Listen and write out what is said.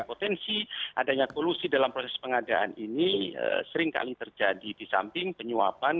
potensi adanya polusi dalam proses pengadaan ini sering kali terjadi di samping penyuapan